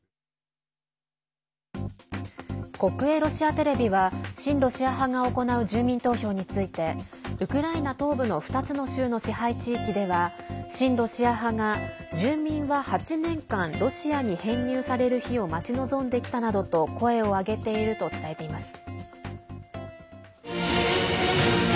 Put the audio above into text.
国営ロシアテレビは親ロシア派が行う住民投票についてウクライナ東部の２つの州の支配地域では親ロシア派が住民は８年間ロシアに編入される日を待ち望んできたなどと声を上げていると伝えています。